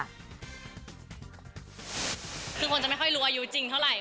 คือคนจะไม่ค่อยรู้อายุจริงเท่าไหร่